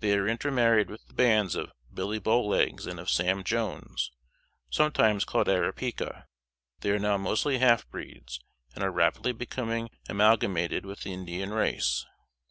They are intermarried with the bands of "Billy Bowlegs," and of "Sam Jones," sometimes called Aripeka; they are now mostly half breeds, and are rapidly becoming amalgamated with the Indian race.